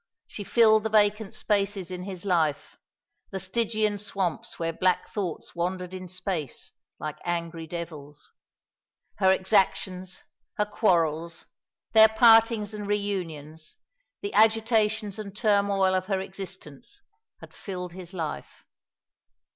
She filled the vacant spaces in his life the Stygian swamps where black thoughts wandered in space, like angry devils. Her exactions, her quarrels, their partings and reunions, the agitations and turmoil of her existence, had filled his life.